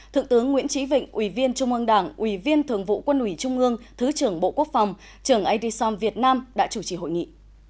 thượng tướng nguyễn trí vịnh ủy viên trung ương đảng ủy viên thường vụ quân ủy trung ương thứ trưởng bộ quốc phòng trưởng adsom việt nam đã chủ trì hội nghị